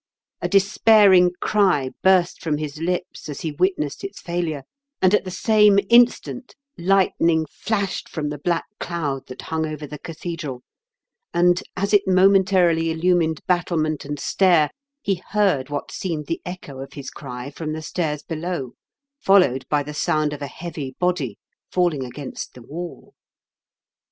A despairing cry burst from his lips as he witnessed its failure, and at the same instant lightning flashed from the black cloud that hung over the cathedral, and, as it momentarily illumined battlement and stair, he heard what seemed the echo of his cry from the stairs below, followed by the sound of a heavy body falling against the wall.